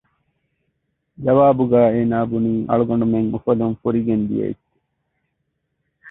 ޖަވާބުގައި އޭނާބުނީ އަޅުގަނޑުމެން އުފަލުން ފުރިގެން ދިޔައެއްޗެއް